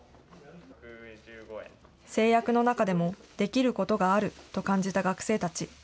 制約の中でもできることがあると感じた学生たち。